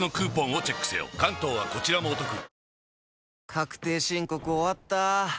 確定申告終わった。